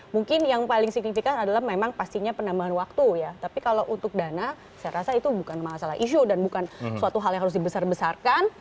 mungkin yang paling signifikan adalah memang pastinya penambahan waktu ya tapi kalau untuk dana saya rasa itu bukan masalah isu dan bukan suatu hal yang harus dibesar besarkan